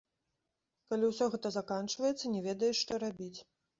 Калі ўсё гэта заканчваецца, не ведаеш, што рабіць.